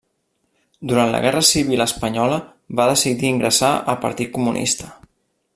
Durant la Guerra Civil espanyola va decidir ingressar al Partit Comunista.